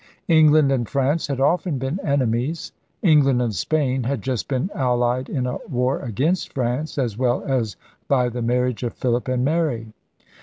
England and France had often been enemies. England and Spain had just been allied in a war against France as well as by the marriage of Philip and Mary.